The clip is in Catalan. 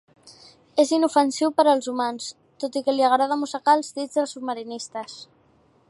És inofensiu per als humans, tot i que li agrada mossegar els dits dels submarinistes.